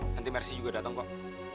nanti mercy juga datang kok